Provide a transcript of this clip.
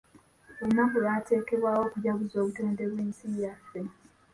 Olunaku lwateekebwawo okujaguza obutonde bw'ensi yaffe.